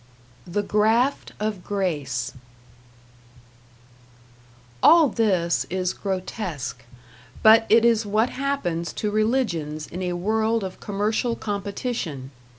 #The Graft of Grace# All this is grotesque; but it is what happens to religions in a world of commercial competition.